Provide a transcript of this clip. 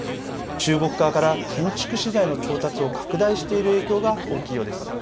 中国側から建築資材の調達を拡大している影響が大きいようです。